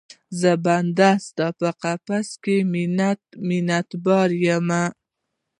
زه بندۍ ستا په قفس کې، منت باره، منت بار یم